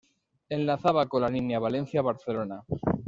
Enlazaba con la línea Valencia-Barcelona.